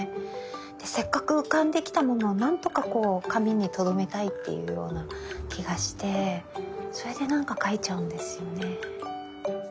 せっかく浮かんできたものを何とか紙にとどめたいっていうような気がしてそれでなんか描いちゃうんですよね。